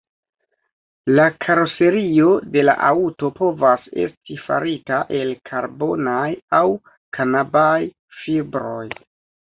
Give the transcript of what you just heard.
La karoserio de la aŭto povas esti farita el karbonaj aŭ kanabaj fibroj.